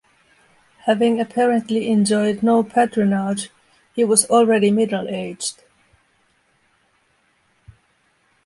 Having apparently enjoyed no patronage, he was already middle-aged.